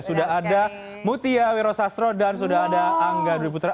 sudah ada mutia wiro sastro dan sudah ada angga dwi putra